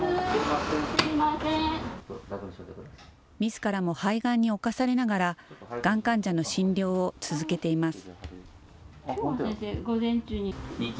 みずからも肺がんに侵されながら、がん患者の診療を続けています。